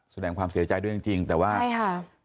แสดงความเสียใจด้วยจริงแต่ว่าใช่ค่ะ